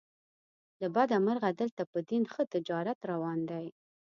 له بده مرغه دلته په دین ښه تجارت روان دی.